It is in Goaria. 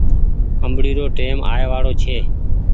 آمبڙي رو ٽئيم آئي وآڙو ڇي۔